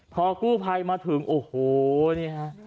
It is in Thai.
พอกู้ภัยมาถึงโอ้โหนี่ฮะ